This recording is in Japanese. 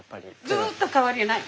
ずっと変わりない？